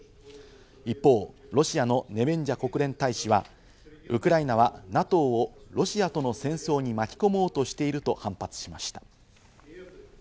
一方、ロシアのネベンジャ国連大使はウクライナはＮＡＴＯをロシアとの戦争に巻き込もうとしていると反発しました。